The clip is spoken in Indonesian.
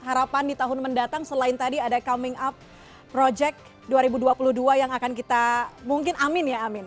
harapan di tahun mendatang selain tadi ada coming up project dua ribu dua puluh dua yang akan kita mungkin amin ya amin